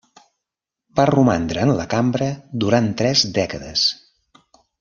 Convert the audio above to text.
Va romandre en la Cambra durant tres dècades.